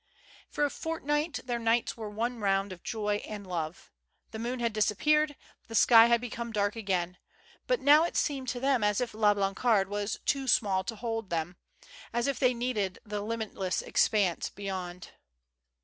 For a fortnight tbeir nights were one round of joy and love. The moon had disappeared, the sky had become dark again; but now it seemed to them as if La Blancarde was too small to hold them, as if they needed the limitless expanse beyond.